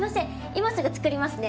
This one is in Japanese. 今すぐ作りますね。